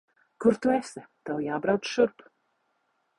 Kur tu esi? Tev jābrauc šurp.